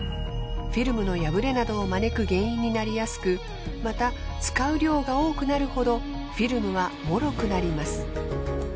フィルムの破れなどを招く原因になりやすくまた使う量が多くなるほどフィルムはもろくなります。